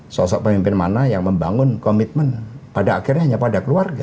sosok pemimpin mana yang membangun komitmen pada akhirnya hanya pada keluarga